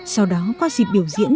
sau đó có dịp biểu diễn